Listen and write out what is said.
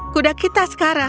kuda kita sekalian